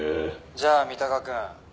「じゃあ三鷹くん」